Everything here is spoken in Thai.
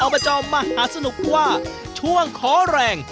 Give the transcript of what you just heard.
บจมหาสนุกว่าช่วงขอแรง